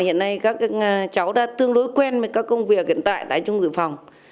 hiện nay các cháu đã tương đối quen với các công việc hiện tại tại chung dự phòng